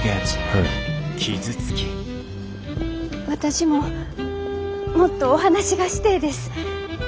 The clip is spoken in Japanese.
私ももっとお話がしてえです